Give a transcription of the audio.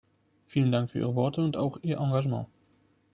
Vielen Dank für Ihre Worte und auch Ihr Engagement.